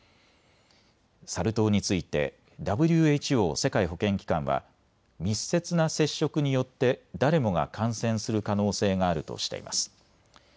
サル痘についてＷＨＯ・世界保健機関は密接な接触によって誰もが感染する可能性があるとしています。